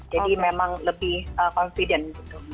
jadi memang lebih confident gitu mbak